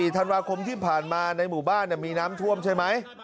ธันวาคมที่ผ่านมาในหมู่บ้านมีน้ำท่วมใช่ไหม